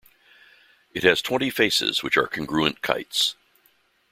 It has twenty faces which are congruent kites.